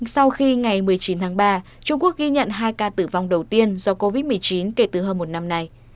sau khi ngày một mươi chín tháng ba trung quốc ghi nhận hai ca tử vong đầu tiên do covid một mươi chín kể từ hơn một năm nay